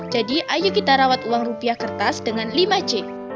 jadi ayo kita rawat uang rupiah kertas dengan lima c